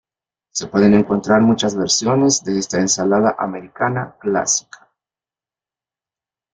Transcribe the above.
Se pueden encontrar muchas versiones de esta ensalada americana clásica.